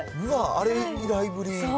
あれ以来ぶり？